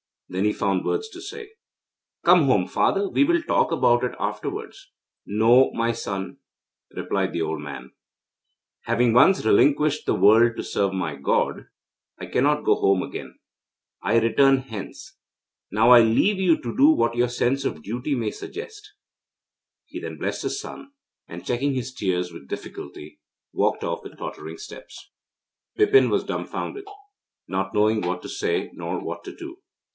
Then he found words to say: 'Come home, father; we will talk about it afterwards.' 'No, my son,' replied the old man, 'having once relinquished the world to serve my God, I cannot go home again. I return hence. Now I leave you to do what your sense of duty may suggest.' He then blessed his son, and, checking his tears with difficulty, walked off with tottering steps. Bipin was dumbfounded, not knowing what to say nor what to do.